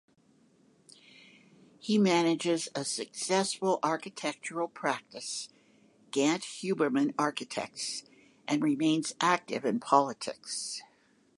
He manages a successful architectural practice, Gantt Huberman Architects, and remains active in politics.